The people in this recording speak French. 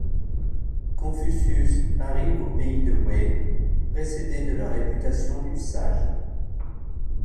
Confucius arrive au pays de Wei, précédé de la réputation du Sage.